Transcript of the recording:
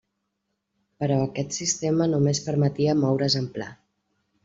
Però aquest sistema només permetia moure's en pla.